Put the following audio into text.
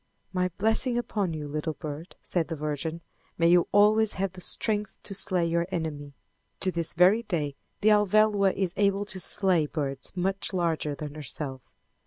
"My blessing upon you, little bird," said the Virgin. "May you always have the strength to slay your enemy." To this very day the Alvéloa is able to slay birds much larger than herself.